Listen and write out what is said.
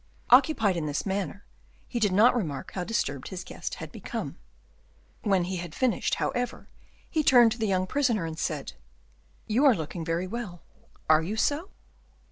Occupied in this manner, he did not remark how disturbed his guest had become. When he had finished, however, he turned to the young prisoner and said: "You are looking very well, are you so?"